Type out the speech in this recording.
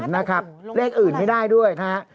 นะครับเลขอื่นไม่ได้ด้วยนะฮะ